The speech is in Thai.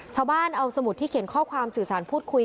ชาวบ้านเอาสมุดที่เขียนข้อความสื่อสารพูดคุย